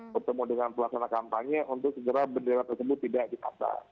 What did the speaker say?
bertemu dengan pelaksana kampanye untuk segera bendera tersebut tidak ditambah